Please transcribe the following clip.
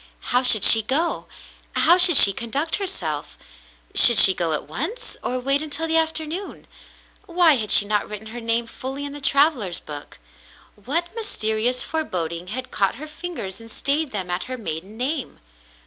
How should she go ? How should she conduct herself ? Should she go at once, or wait until the after noon ? Why had she not written her name fully in the travellers' book ? What mysterious foreboding had caught her fingers and stayed them at her maiden name